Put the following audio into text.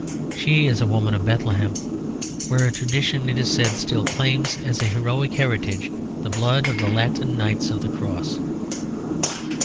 She is a woman of Bethlehem, where a tradition, it is said, still claims as a heroic heritage the blood of the Latin knights of the cross.